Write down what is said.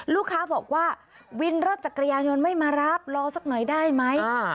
ลูกค้าบอกว่าวินรถจักรยานยนต์ไม่มารับรอสักหน่อยได้ไหม